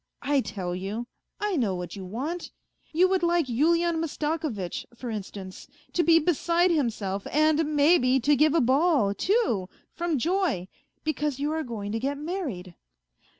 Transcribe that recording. I tell you, I know what you want ! You would like Yulian Mastakovitch, for instance, to be beside himself and, maybe, to give a ball, too, from joy, because you are going to get married.